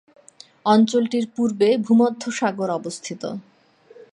অঞ্চলটির পূর্বে ভূমধ্যসাগর অবস্থিত।